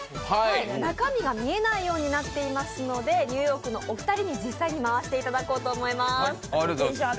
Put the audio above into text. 中身が見えないようになっていますので、ニューヨークのお二人に実際に回していただこうと思います。